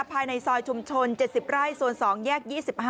ภายในซอยชุมชน๗๐ไร่โซน๒แยก๒๕